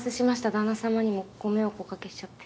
旦那さまにもご迷惑おかけしちゃって。